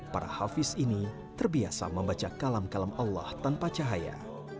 para hafiz ini terbiasa membaca kalam kalam allah tanpa cahaya